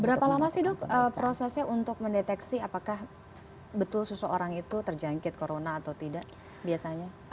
berapa lama sih dok prosesnya untuk mendeteksi apakah betul seseorang itu terjangkit corona atau tidak biasanya